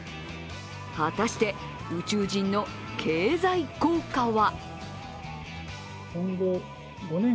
果たして宇宙人の経済効果は？